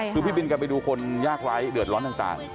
คือพี่บินกันไปดูคนยากไร้เดือดร้อนต่าง